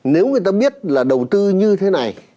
nếu người ta biết là đầu tư như thế này